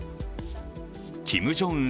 キム・ジョンウン